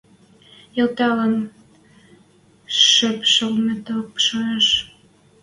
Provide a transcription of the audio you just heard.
Элтӓлен шыпшалметок шоэш...